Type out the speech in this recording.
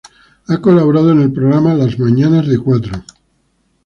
Ha colaborado en el programa "Las mañanas de Cuatro".